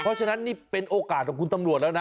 เพราะฉะนั้นนี่เป็นโอกาสของคุณตำรวจแล้วนะ